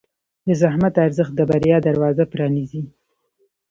د زحمت ارزښت د بریا دروازه پرانیزي.